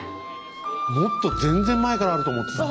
もっと全然前からあると思ってた。